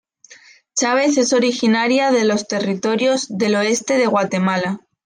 Chávez es originaria de los territorios del oeste de Guatemala.